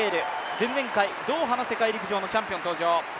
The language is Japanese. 前々回、ドーハの世界陸上のチャンピオン登場。